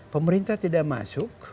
pemerintah tidak masuk